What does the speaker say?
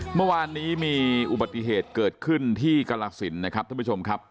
เมื่อวานนี้มีอุบัติเหตุเกิดขึ้นที่กรสินนะครับท่านผู้ชมครับ